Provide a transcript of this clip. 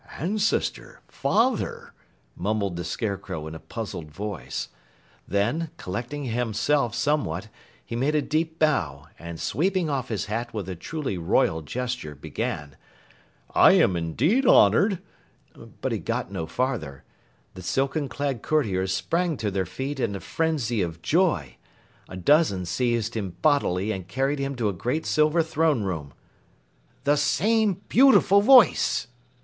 "Ancestor! Father!" mumbled the Scarecrow in a puzzled voice. Then, collecting himself somewhat, he made a deep bow, and sweeping off his hat with a truly royal gesture began: "I am indeed honored " But he got no farther. The silken clad courtiers sprang to their feet in a frenzy of joy. A dozen seized him bodily and carried him to a great silver throne room. "The same beautiful voice!"